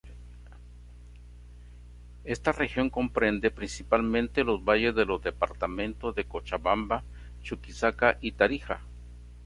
Esta región comprende principalmente los valles de los departamentos de Cochabamba, Chuquisaca y Tarija.